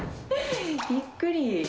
びっくり。